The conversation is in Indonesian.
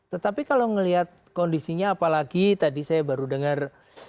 tetapi kalau melihat kondisinya apalagi tadi saya baru dengar